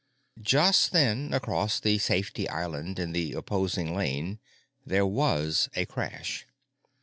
Just then, across the safety island in the opposing lane, there was a crash.